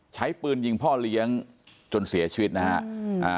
ใช้ปืนยิงพ่อเลี้ยงจนเสียชีวิตนะฮะอืมอ่า